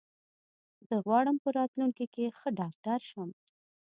زه غواړم په راتلونکې کې ښه ډاکټر شم.